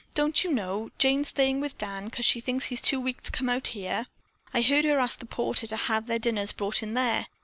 Don't you know, Jane's staying with Dan 'cause she thinks he's too weak to come out here? I heard her ask the porter to have their dinners brought in there.